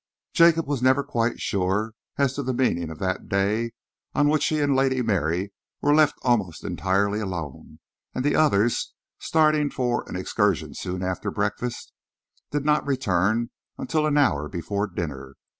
Jacob was never quite sure as to the meaning of that day, on which he and Lady Mary were left almost entirely alone, and the others, starting for an excursion soon after breakfast, did not return until an hour before dinner.